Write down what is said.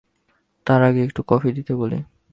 তার আগে একটু কফি দিতে বলি?